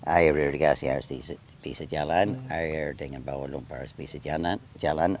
air irigasi harus bisa jalan air dengan bawah lumpur harus bisa jalan